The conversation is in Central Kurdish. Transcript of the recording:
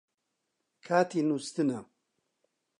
کاتی نووستنە